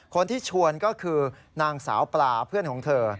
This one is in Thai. คนที่ชวนก็คือนางสาวปลาเพื่อนของเธอ